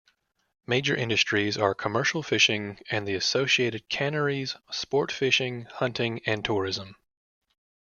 Major industries are commercial fishing and the associated canneries, sport fishing, hunting and tourism.